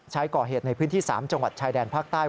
ใช้ก่อเหตุในพื้นที่๓จังหวัดชายแดนภาคใต้